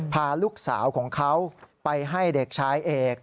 พาลูกสาวของเขาไปให้เด็กชายเอก